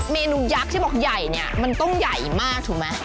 เมนูยักษ์ที่บอกใหญ่เนี่ยมันต้องใหญ่มากถูกไหม